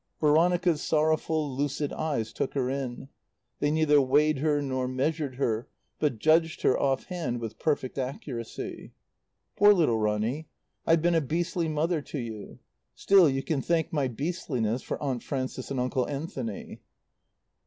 Veronica's sorrowful, lucid eyes took her in; they neither weighed her nor measured her, but judged her, off hand with perfect accuracy. "Poor little Ronny. I've been a beastly mother to you. Still, you can thank my beastliness for Aunt Frances and Uncle Anthony."